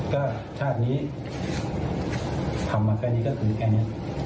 ก็ชาตินี้ทำมาแค่นี้ก็คือแค่นี้